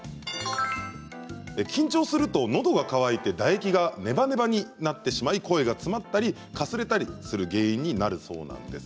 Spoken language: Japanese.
緊張すると、のどが乾いて唾液がネバネバになってしまい声が詰まったり、かすれたりする原因になるそうです。